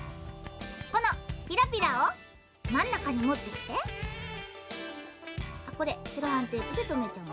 このピラピラをまんなかにもってきてセロハンテープでとめちゃう。